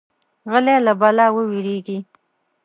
غلی، له بلا ووېریږي.